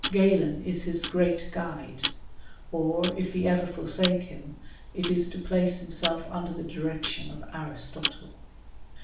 Galen is nis great guide ; or, if he ever forsake him, it is to place himself under the direction of Aristotle.